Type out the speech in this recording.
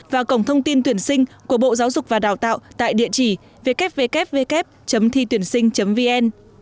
và cổng thông tin tuyển sinh của bộ giáo dục và đào tạo tại địa chỉ www thituyểnsinh vn